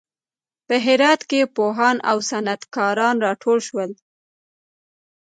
په هرات کې پوهان او صنعت کاران راټول شول.